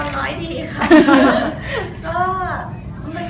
ก็มันผ่านไปแบบไม่กี่ชั่วโมงอะไรอย่างเงี้ย